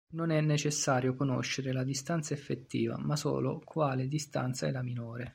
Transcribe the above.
Non è necessario conoscere la distanza effettiva, ma solo quale distanza è la minore.